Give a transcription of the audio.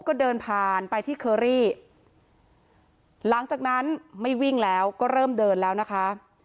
ก็เดินผ่านไปที่เคอรี่หลังจากนั้นไม่วิ่งแล้วก็เริ่มเดินแล้วนะคะ